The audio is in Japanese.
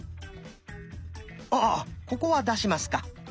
ああここは出しますか。